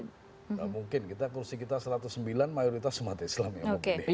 nggak mungkin kita kursi kita satu ratus sembilan mayoritas umat islam yang mau pilih